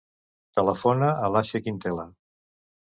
Telefona a l'Asia Quintela.